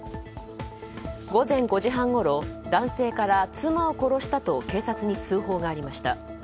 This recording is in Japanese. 午前５時半ごろ、男性から妻を殺したと警察に通報がありました。